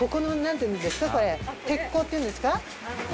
手っこっていうんですか？